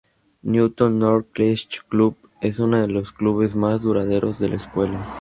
Newton North Chess Club es uno de los clubes más duraderos de la escuela.